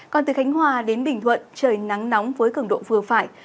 còn từ khánh hòa đến bình thuận trời nắng nóng với cường độ vừa phải